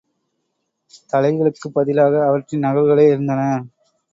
தலைகளுக்குப் பதிலாக அவற்றின் நகல்களே இருந்தன.